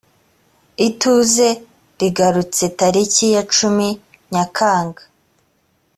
ituze rigarutse tariki ya cumi nyakanga .